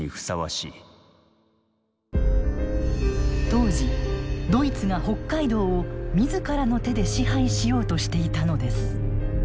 当時ドイツが北海道を自らの手で支配しようとしていたのです。